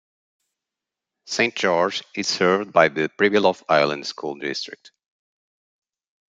Saint George is served by the Pribilof Island School District.